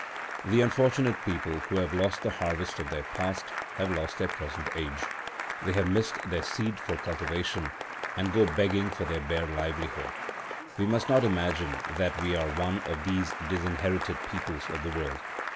The unfortunate people who have lost the harvest of their past have lost their present age. They have missed their seed for cultivation, and go begging for their bare livelihood. We must not imagine that we are one of these disinherited peoples of the world.